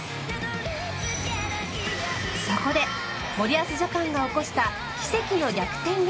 そこで森保ジャパンが起こした奇跡の逆転劇。